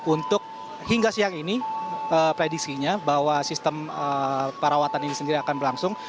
untuk hingga siang ini prediksinya bahwa sistem perawatan ini sendiri akan berlangsung